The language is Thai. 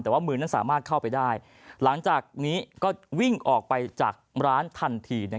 แต่ว่ามือนั้นสามารถเข้าไปได้หลังจากนี้ก็วิ่งออกไปจากร้านทันที